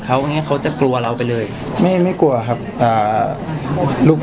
ซึ่งเราจะแค่ห้วงว่ารานที่เขาตาม